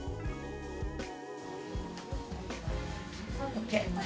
ＯＫ！